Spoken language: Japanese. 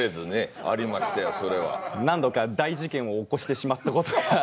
何度か大事件を起こしてしまったことがあって。